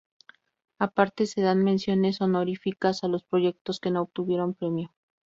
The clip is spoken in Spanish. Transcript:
Aparte, se dan menciones honoríficas a los proyectos que no obtuvieron un premio.